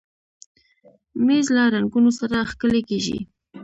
مېز له رنګونو سره ښکلی کېږي.